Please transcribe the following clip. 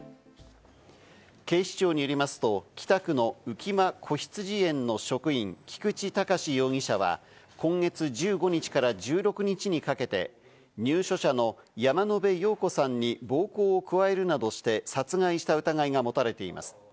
警視庁によりますと、北区の浮間こひつじ園の職員・菊池隆容疑者は、今月１５日から１６日にかけて、入所者の山野辺陽子さんに暴行を加えるなどして殺害した疑いが持たれています。